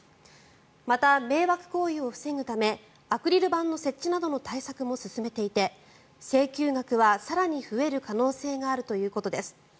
また、迷惑行為を防ぐためアクリル板の設置などの対策も進めていて、請求額は更に増える可能性があるということです。